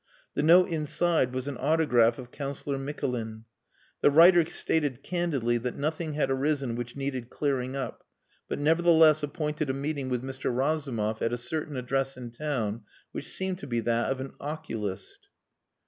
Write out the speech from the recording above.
The note inside was an autograph of Councillor Mikulin. The writer stated candidly that nothing had arisen which needed clearing up, but nevertheless appointed a meeting with Mr. Razumov at a certain address in town which seemed to be that of an oculist.